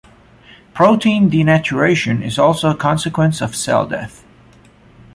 Protein denaturation is also a consequence of cell death.